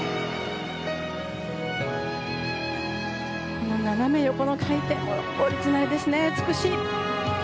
この斜め横の回転もオリジナルですね、美しい。